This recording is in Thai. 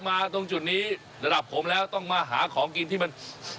ตรงจุดนี้ระดับผมแล้วต้องมาหาของกินที่มัน